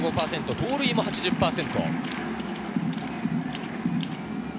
盗塁も８０％。